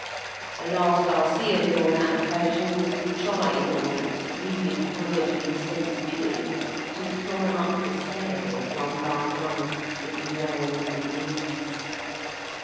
The last I see of him on that occasion was his tryin, on the extremest werge of insensibility, to climb up the stairs, one by one, with his hands and knees.